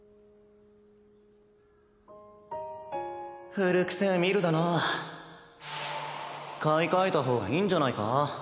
ふるくせぇミルだな買い替えた方がいいんじゃないか？